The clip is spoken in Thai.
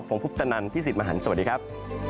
ผมพุทธนันพี่สิทธิ์มหันฯสวัสดีครับ